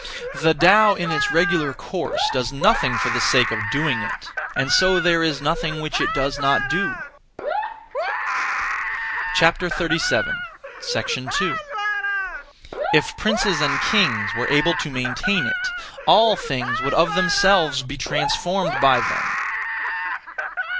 The Tao in its regular course does nothing (for the sake of doing it), and so there is nothing which it does not do. 2. If princes and kings were able to maintain it, all things would of themselves be transformed by them.